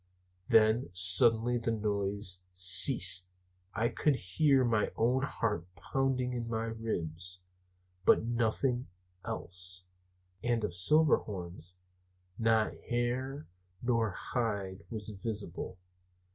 Then suddenly the noise ceased. I could hear my own heart pounding at my ribs, but nothing else. And of Silverhorns not hair nor hide was visible.